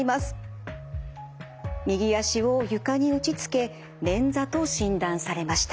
右足を床に打ちつけ捻挫と診断されました。